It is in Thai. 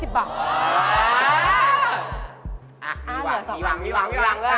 อะมีหวังมีหวังมีหวัง